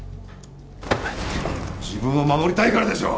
自分を守りたいからでしょ！